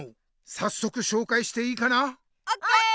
さっそくしょうかいしていいかな？ＯＫ！